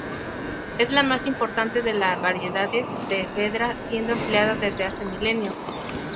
Es la más importante de la variedades de efedra siendo empleada desde hace milenios.